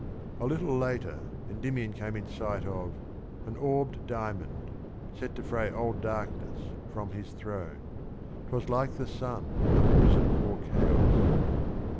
A little later Endymion came in sight of — The orbed an Orbed diamond, set to fray diamond. qj^j darkness from his throne: 'twas like the sun Uprisen o'er chaos: (II.